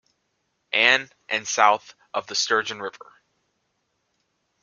Anne and south of the Sturgeon River.